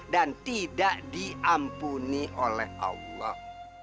dan tidak diampuni oleh allah